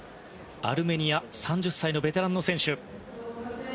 アルメニア３０歳のベテランの選手。